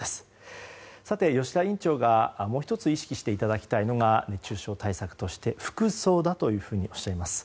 吉田院長がもう１つ意識していただきたいというのが熱中症対策として服装だとおっしゃいます。